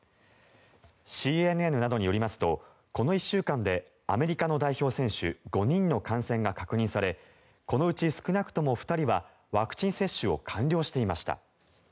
ＣＮＮなどによりますとこの１週間でアメリカの代表選手５人の感染が確認されこのうち少なくとも２人はワクチン接種を完了していました。